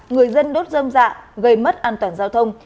người dân đốt dâm dạ gây mất an toàn giao thông